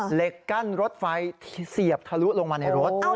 เหล็กกั้นรถไฟเสียบทะลุลงมาในรถ